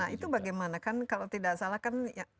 nah itu bagaimana kan kalau tidak salah kan